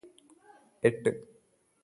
എട്ട്